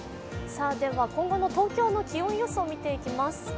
今後の東京の気温予想を見ていきます。